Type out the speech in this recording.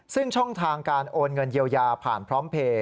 ซึ่งช่องทางการโอนเงินเยียวยาผ่านพร้อมเพลย์